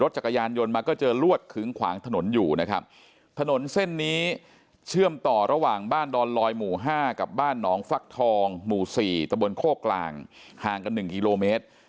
จักรยานยนต์มาก็เจอลวดขึงขวางถนนอยู่นะครับถนนเส้นนี้เชื่อมต่อระหว่างบ้านดอนลอยหมู่๕กับบ้านหนองฟักทองหมู่๔ตะบนโคกกลางห่างกัน๑กิโลเมตร